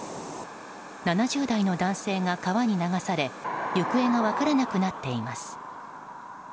７０代の男性が川に流され行方が分からなくなっています。